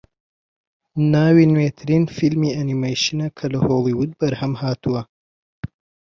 ناوی نوێترین فیلمی ئەنیمەیشنە کە لە هۆلیوود بەرهەمهاتووە